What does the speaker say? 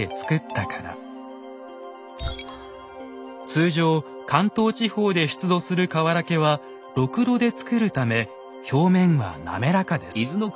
通常関東地方で出土するかわらけはろくろで使るため表面は滑らかです。